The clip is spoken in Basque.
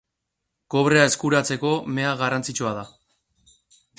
Kobrea eskuratzeko mea garrantzitsua da.